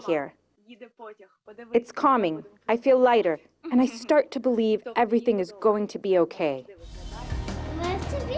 ini merasakan saya merasa lebih ringan dan saya mulai percaya bahwa semuanya akan baik baik saja